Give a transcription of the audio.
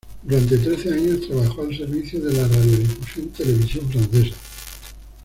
Durante trece años trabajó al servicio de la Radiodifusión-Televisión Francesa.